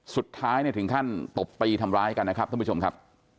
สุดท้ายเนี่ยถึงขั้นตบตีทำร้ายกันนะครับท่านผู้ชมครับ